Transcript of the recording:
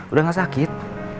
udah gak sakit